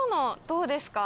どうですか？